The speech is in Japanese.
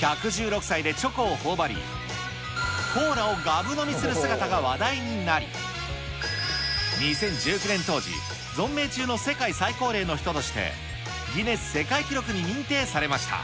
１１６歳でチョコをほおばり、コーラをがぶ飲みする姿が話題になり、２０１９年当時、存命中の世界最高齢の人として、ギネス世界記録に認定されました。